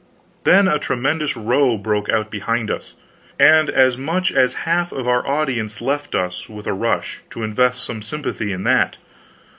Then a tremendous row broke out behind us, and as much as half of our audience left us, with a rush, to invest some sympathy in that.